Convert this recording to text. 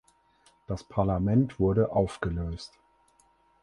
Das Parlament wurde aufgelöst.